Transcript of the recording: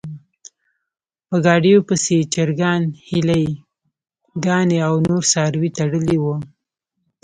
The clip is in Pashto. په ګاډیو پسې یې چرګان، هیلۍ ګانې او نور څاروي تړلي و.